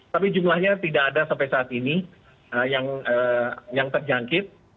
tapi jumlahnya tidak ada sampai saat ini yang terjangkit